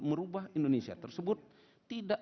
merubah indonesia tersebut tidak